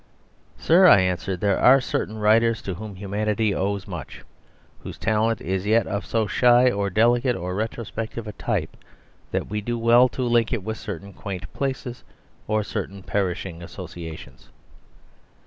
"Sir," I answered, "there are certain writers to whom humanity owes much, whose talent is yet of so shy or delicate or retrospective a type that we do well to link it with certain quaint places or certain perishing associations.